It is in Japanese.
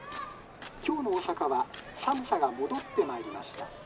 「今日の大阪は寒さが戻ってまいりました。